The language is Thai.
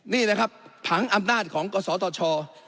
นี่นะครับผังอำนาจของกศตช